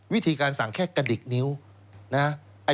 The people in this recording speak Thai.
วิธีการสั่งแค่กระดิกนิ้วนะ